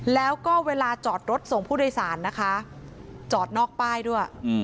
แล้วก็เวลาจอดรถส่งผู้โดยสารนะคะจอดนอกป้ายด้วย